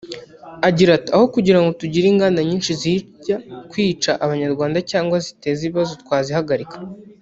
Agira ati “Aho kugira ngo tugire inganda nyinshi zijya kwica Abanyarwanda cyangwa ziteza ibibazo twazihagarika